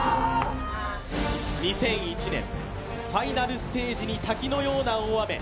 ２００１年、ファイナルステージに滝のような大雨。